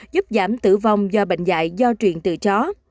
giúp giảm tử vong do bệnh dạy do truyền từ chó